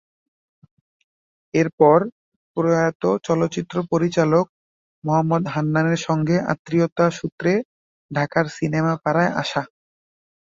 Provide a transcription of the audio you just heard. এরপর প্রয়াত চলচ্চিত্র পরিচালক মোহাম্মদ হান্নানের সঙ্গে আত্মীয়তাসূত্রে ঢাকার সিনেমাপাড়ায় আসা।